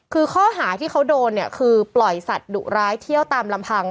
คือข้อหาที่เขาโดนเนี่ยคือปล่อยสัตว์ดุร้ายเที่ยวตามลำพัง